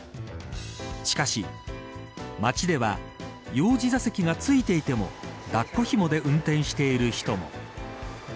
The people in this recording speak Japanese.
しかし、街では幼児座席がついていても抱っこひもで運転している人も。